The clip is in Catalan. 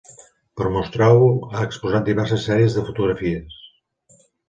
Per mostrar-ho ha exposat diverses sèries de fotografies.